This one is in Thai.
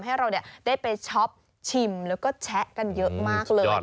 ให้เราได้ไปช็อปชิมแล้วก็แชะกันเยอะมากเลย